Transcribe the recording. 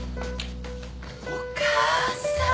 「お母さん！